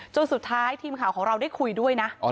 สุดท้ายทีมข่าวของเราได้คุยด้วยนะ